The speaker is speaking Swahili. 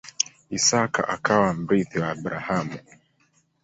Isaka akawa mrithi wa Abrahamu.